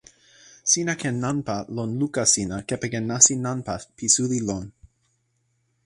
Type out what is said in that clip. sina ken nanpa lon luka sina kepeken nasin nanpa pi suli lon.